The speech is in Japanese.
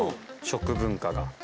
食文化が。